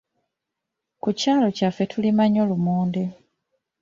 Ku kyalo kyaffe tulima nnyo lumonde.